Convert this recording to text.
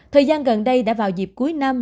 thời gian gần đây đã vào dịp cuối năm